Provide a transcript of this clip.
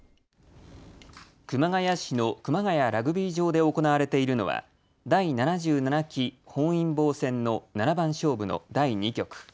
熊谷市の熊谷ラグビー場で行われているのは第７７期本因坊戦の七番勝負の第２局。